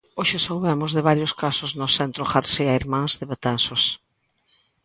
Hoxe soubemos de varios casos no centro García Irmáns de Betanzos.